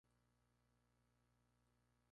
Le va el pan rústico.